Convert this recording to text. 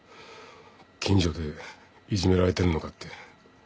近所でいじめられてるのかって。